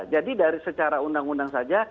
jadi dari secara undang undang saja